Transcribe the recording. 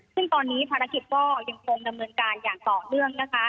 ซึ่งตอนนี้ภารกิจก็ยังคงดำเนินการอย่างต่อเนื่องนะคะ